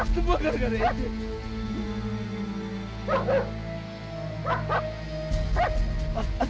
semua gara gara ini